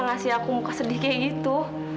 ngasih aku muka sedih kayak gitu